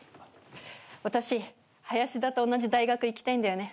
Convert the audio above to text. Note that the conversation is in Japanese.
私林田と同じ大学行きたいんだよね。